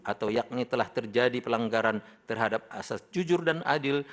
atau yakni telah terjadi pelanggaran terhadap asas jujur dan adil